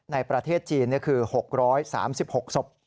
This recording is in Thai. ในประเทศจีนคือ๖๓๖ศพ